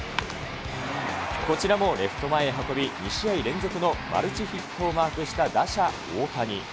こちらもレフト前へ運び、２試合連続のマルチヒットをマークした打者、大谷。